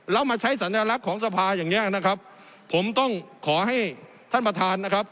แล้วมาใช้สัญลักษณ์ของสภาอย่างเนี้ยนะครับผมต้องขอให้ท่านประธานนะครับ